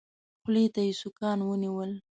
خولې ته يې سوکان ونيول.